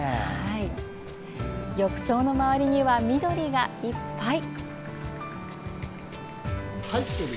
浴槽の周りには緑がいっぱい。